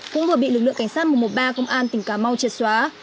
cũng vừa bị lực lượng cảnh sát một trăm một mươi ba công an tỉnh cà mau triệt xóa